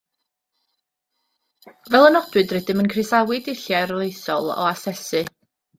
Fel y nodwyd, rydym yn croesawu dulliau arloesol o asesu